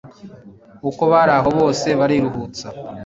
Uko baraho bose bariruhutsa